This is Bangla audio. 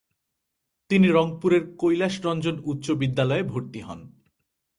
তিনি রংপুরের কৈলাস রঞ্জন উচ্চ বিদ্যালয়ে ভর্তি হন।